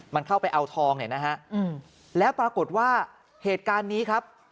มันเข้าไปเอาทองเนี่ยนะฮะแล้วปรากฏว่าเหตุการณ์นี้ครับ